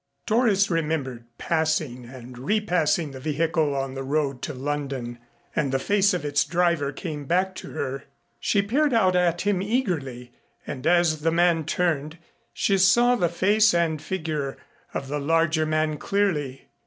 Doris remembered passing and repassing the vehicle on the road to London, and the face of its driver came back to her. She peered out at him eagerly and as the man turned she saw the face and figure of the larger man clearly.